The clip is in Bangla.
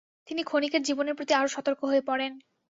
তিনি ক্ষণিকের জীবনের প্রতি আরও সতর্ক হয়ে পড়েন ।